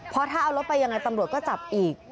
เพราะถ้าเอารถไปยังไงตำรวจก็จับอีก